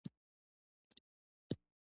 له ملي ارزښتونو سره لريوالۍ بله ربړه وه.